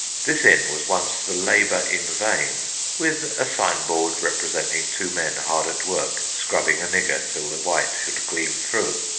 This inn was once "The Labour in Vain," with a signboard representing two men hard at work scrubbing a nigger till the white should gleam through.